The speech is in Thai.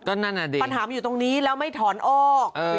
ปัญหามันอยู่ตรงนี้แล้วไม่ถอนออก